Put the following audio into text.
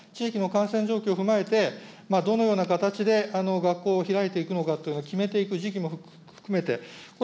各自治体や各学校が、地域の感染状況を踏まえて、どのような形で学校を開いていくのかというのを決めていく、時期も含めて。